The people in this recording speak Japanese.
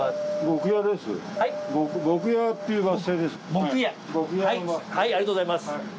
牧家ありがとうございます。